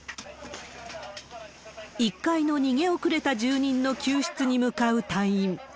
１階の逃げ遅れた住人の救出に向かう隊員。